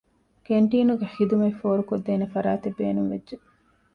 ކެންޓީނުގެ ޚިދުމަތް ފޯރުކޮށްދޭނެ ފަރާތެއް ބޭނުންވެއްޖެ